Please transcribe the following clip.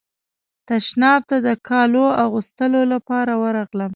تشناب ته د کالو اغوستلو لپاره ورغلم.